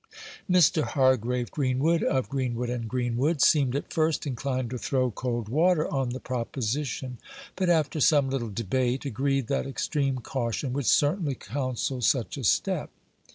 Mr. Hargrave Greenwood, of Greenwood and Greenwood, seemed at first inclined to throw cold water on the proposition, but after some little debate, agreed that extreme caution would certainly counsel such a step.